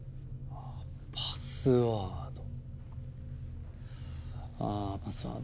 ああパスワード！